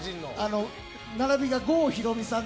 並びが郷ひろみさん